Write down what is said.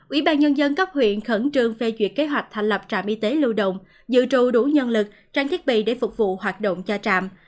ủy ban nhân dân cấp huyện khẩn trương phê duyệt kế hoạch thành lập trạm y tế lưu động dự tru đủ nhân lực trang thiết bị để phục vụ hoạt động cho trạm